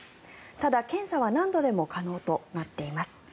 ただ、検査は何度でも可能となっています。